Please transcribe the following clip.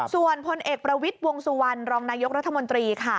ส่วนพลเอกประวิศวงศ์สวรรค์รองนายกรรธมนตรี